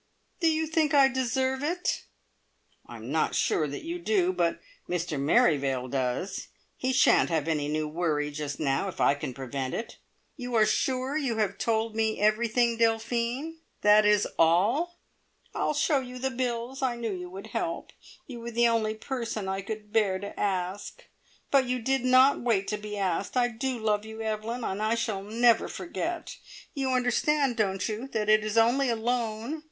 "Do you think I deserve it?" "I'm not sure that you do, but Mr Merrivale does! He shan't have any new worry just now, if I can prevent it. You are sure you have told me everything, Delphine? That is all!" "I'll show you the bills. I knew you would help. You were the only person I could bear to ask; but you did not wait to be asked. I do love you, Evelyn, and I shall never forget! You understand, don't you, that it is only a loan?